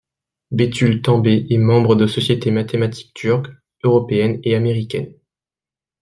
Betül Tanbay est membre de sociétés mathématiques turque, européenne et américaine.